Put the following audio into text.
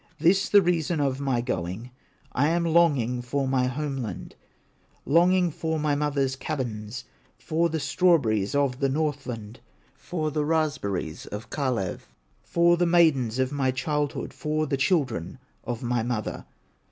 This the reason of my going, I am longing for my home land, Longing for my mother's cabins, For the strawberries of Northland, For the raspberries of Kalew, For the maidens of my childhood, For the children of my mother."